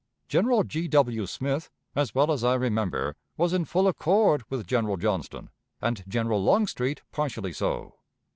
General G. W. Smith, as well as I remember, was in full accord with General Johnston, and General Longstreet partially so.